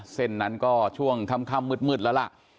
เส้นนั้นก็ช่วงค่ำมืดแล้วล่ะ